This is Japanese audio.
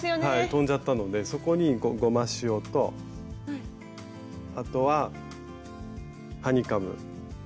飛んじゃったのでそこにゴマシオとあとはハニカム。